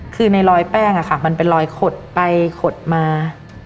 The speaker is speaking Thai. คือในรอยแป้งมันเป็นรอยขดไปขดมา